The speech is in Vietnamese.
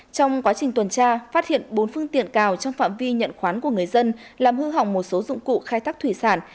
trong quá trình tuần tra phát hiện bốn phương tiện cào trong phạm vi nhận khoán của người dân làm hư hỏng một số dụng cụ khai thác thủy sản